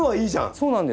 そうなんです。